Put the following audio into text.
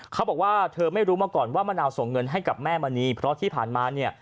เขาบอกว่าเธอไม่รู้มาก่อนว่ามะนาวส่งเงินให้กับแม่มณีเพราะที่ผ่านมาเนี่ย